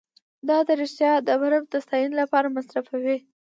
دا د ښار د برم د ستاینې لپاره مصرفوي